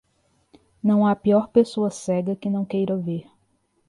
Não há pior pessoa cega que não queira ver.